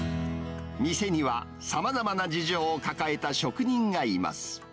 店にはさまざまな事情を抱えた職人がいます。